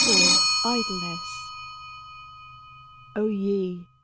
IV IDLENESS O ye!